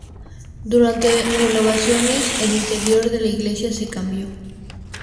Durante renovaciones el interior de la iglesia se cambió.